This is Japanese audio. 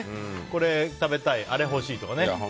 これ食べたい、あれ欲しいとかね。